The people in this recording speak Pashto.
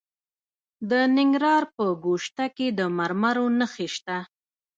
د ننګرهار په ګوشته کې د مرمرو نښې شته.